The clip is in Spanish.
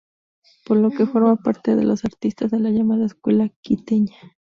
Por lo que forma parte de los artistas de la llamada Escuela Quiteña.